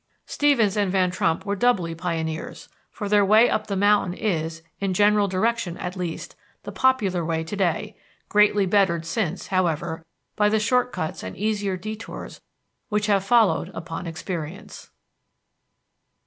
Stevens and Van Trump were doubly pioneers, for their way up the mountain is, in general direction at least, the popular way to day, greatly bettered since, however, by the short cuts and easier detours which have followed upon experience.